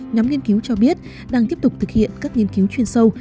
nhóm nghiên cứu cho biết đang tiếp tục thực hiện các nghiên cứu chuyên sâu